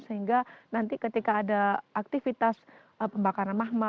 sehingga nanti ketika ada aktivitas pembakaran mahma